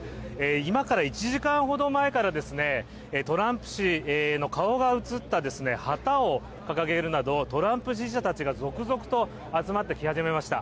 今から１時間ほど前からトランプ氏の顔が写った旗を掲げるなど、トランプ支持者たちが続々と集まってき始めました。